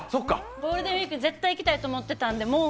ゴールデンウイーク絶対行きたいと思ってたのでもう